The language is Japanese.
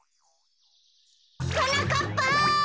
はなかっぱ！